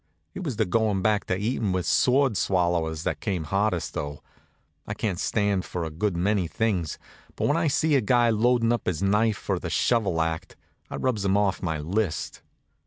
It was the goin' back to eatin' with sword swallowers that came hardest, though. I can stand for a good many things, but when I sees a guy loadin' up his knife for the shovel act, I rubs him off my list.